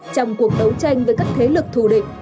trong cuộc đấu tranh với các thế lực thù địch